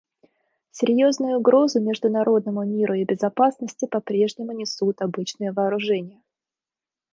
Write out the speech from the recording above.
Серьезную угрозу международному миру и безопасности попрежнему несут обычные вооружения.